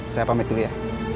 saya pamit dulu ya